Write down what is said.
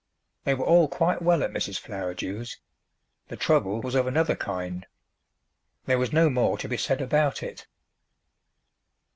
They were all quite well at Mrs. Flowerdew's; the trouble was of another kind. There was no more to be said about it.